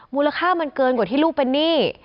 มูลค่ามันเกินกว่าที่ลูกเป็นหนี้